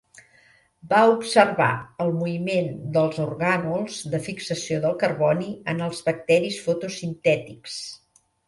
Va observar el moviment dels orgànuls de fixació del carboni en els bacteris fotosintètics.